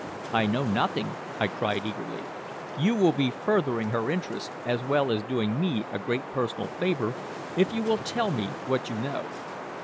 "I know nothing," I cried eagerly. "You will be furthering her interests, as well as doing me a great personal favor, if you will tell me what you know."